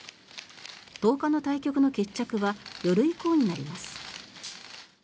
１０日の対局の決着は夜以降になります。